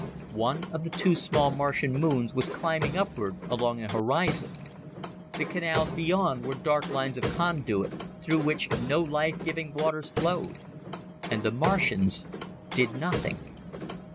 One of the two small Martian moons was climbing upward along the horizon. The canals beyond were dark lines of conduit, through which no life giving waters flowed. And the Martians did nothing.